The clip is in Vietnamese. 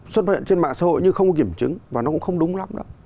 xuất hiện trên mạng xã hội nhưng không có kiểm chứng và nó cũng không đúng lắm nữa